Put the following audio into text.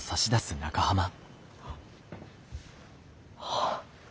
あっ。